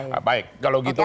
nah baik kalau gitu